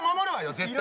絶対！